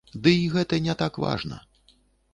Ды і гэта не так важна!